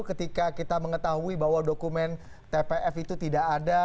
ketika kita mengetahui bahwa dokumen tpf itu tidak ada